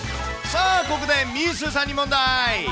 さあ、ここでみーすーさんに問題。